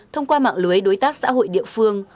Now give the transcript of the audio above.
thông qua mạng lưới đối tác xã hội địa phương